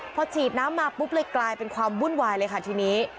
พอฉีดน้ำมาปุ๊บเลยกลายเป็นความวุ่นวายเลยค่ะทีนี้